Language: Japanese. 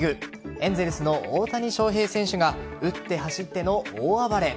エンゼルスの大谷翔平選手が打って走っての大暴れ。